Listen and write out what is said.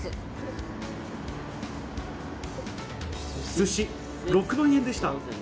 すし、６万円でした。